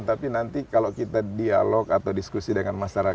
tapi nanti kalau kita dialog atau diskusi dengan masyarakat